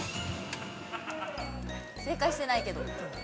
◆正解してないけど。